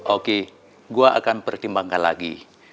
oke gue akan pertimbangkan lagi